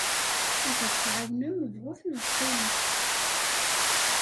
Ad aɣ-tɛawnem, bɣut neɣ qqimet.